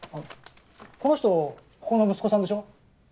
この人ここの息子さんでしょ？